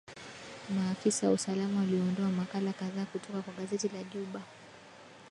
maafisa wa usalama waliondoa makala kadhaa kutoka kwa gazeti la Juba